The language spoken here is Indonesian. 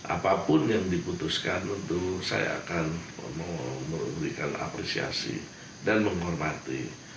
apapun yang diputuskan tentu saya akan memberikan apresiasi dan menghormati